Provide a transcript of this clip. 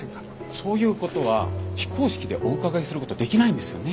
そういうことは非公式でお伺いすることできないんですよね。